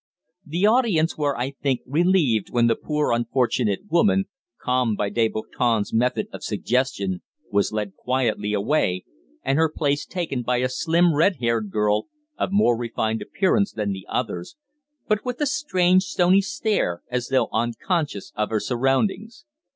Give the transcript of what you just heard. The audience were, I think, relieved when the poor unfortunate woman, calmed by Deboutin's method of suggestion, was led quietly away, and her place taken by a slim, red haired girl of more refined appearance than the others, but with a strange stony stare as though unconscious of her surroundings.